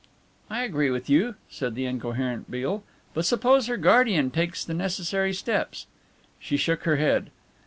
"I agree with you," said the incoherent Beale. "But suppose her guardian takes the necessary steps?" She shook her head.